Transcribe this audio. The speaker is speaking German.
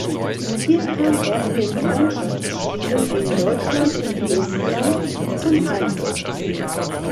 Hier kam er in den Freundschaftsspielen gegen Deutschland und Estland zum Einsatz.